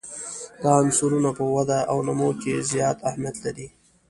دا عنصرونه په وده او نمو کې زیات اهمیت لري.